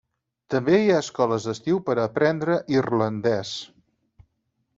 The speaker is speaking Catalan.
També hi ha escoles d'estiu per a aprendre irlandès.